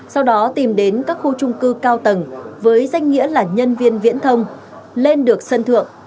sau đó tìm đến các khu trung cư cao tầng với danh nghĩa là nhân viên viễn thông lên được sân thượng